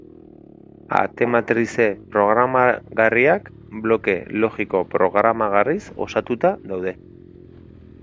Ate-matrize programagarriak bloke logiko programagarriz osatuta daude.